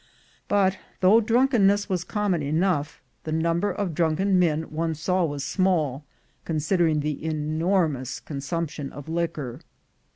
But, though drunkenness was common enough, the number of drunken men one saw was small, consider ing the enormous consumption of liquor.